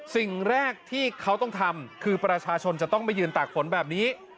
สิ่งแรกที่เขาต้องทำคือประชาชนจะต้องมายืนตากฝนแบบนี้